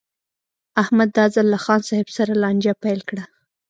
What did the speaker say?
احمد دا ځل له خان صاحب سره لانجه پیل کړه.